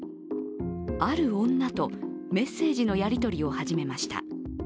ある女とメッセージのやり取りを始めました。